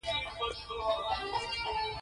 تر ناستې وروسته پسرلي صاحب يو شعر راکړ.